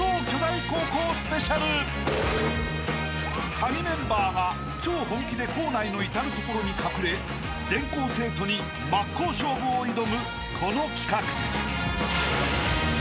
［カギメンバーが超本気で校内の至る所に隠れ全校生徒に真っ向勝負を挑むこの企画］